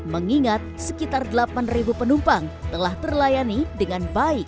mengingat sekitar delapan penumpang telah terlayani dengan baik